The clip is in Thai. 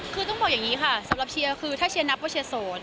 คือต้องบอกอย่างนี้ค่ะสำหรับเชียร์คือถ้าเชียร์นับว่าเชียร์โสด